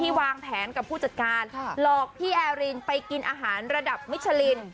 วางแผนกับผู้จัดการหลอกพี่แอรินไปกินอาหารระดับมิชลิน